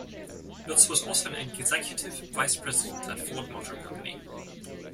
Lutz was also an Executive Vice President at Ford Motor Company.